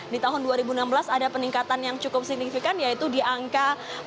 di tahun dua ribu enam belas ada peningkatan yang cukup signifikan yaitu di angka